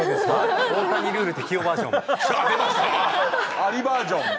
ありバージョン。